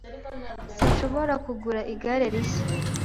Sinshobora kugura igare rishya